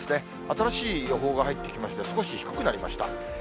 新しい予報が入ってきまして、少し低くなりました。